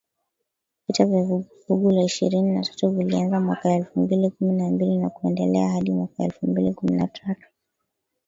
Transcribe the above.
Vita vya Vuguvugu la Ishirini na tatu vilianza mwaka elfu mbili kumi na mbili na kuendelea hadi mwaka elfu mbili kumi na tatu